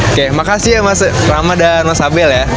oke makasih ya mas rama dan mas abel ya